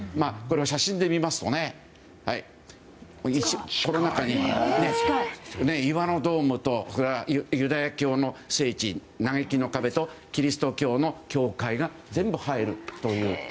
写真で見ますと、この中に岩のドームとユダヤ教の聖地嘆きの壁とキリスト教の教会が全部入るという。